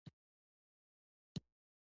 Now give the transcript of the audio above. د خوشبختی داستان جوړ کړی.